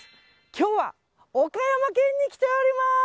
今日は岡山県に来ております！